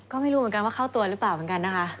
ก็ไม่รู้เหมือนกันว่าเข้าตัวหรือเปล่าเหมือนกันนะคะ